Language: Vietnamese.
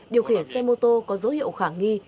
điều khiển xe mô tô có dấu hiệu khả nghi